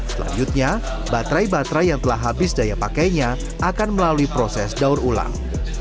selanjutnya baterai baterai yang telah habis daya pakainya akan melalui proses daur ulang